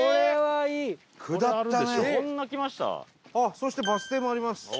そしてバス停もあります。